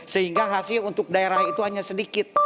sehingga hasil untuk daerah itu hanya sedikit